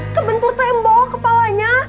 kebentur tembok kepalanya